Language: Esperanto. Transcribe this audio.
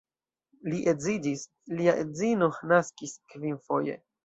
Li edziĝis, lia edzino naskis kvinfoje.